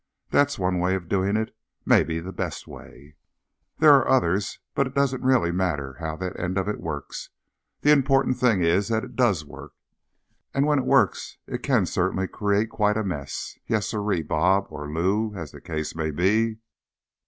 That's one way of doing it, maybe the best way._ There are others, but it doesn't really matter how that end of it works. The important thing is that it does work. _And, when it works, it can certainly create quite a mess. Yes sirree, Bob. Or Lou, as the case may be.